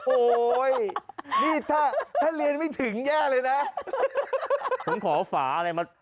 โอ้ยนี่ถ้าเรียนไม่ถึงแย่เลยนะ